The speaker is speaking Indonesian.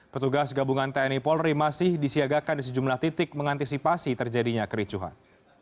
petugas gabungan tni polri masih disiagakan di sejumlah titik mengantisipasi terjadinya kericuhan